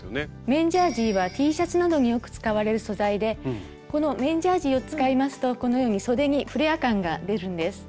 綿ジャージーはＴシャツなどによく使われる素材でこの綿ジャージーを使いますとこのようにそでにフレア感が出るんです。